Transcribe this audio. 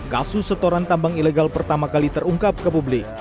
kasus setoran tambang ilegal pertama kali terungkap ke publik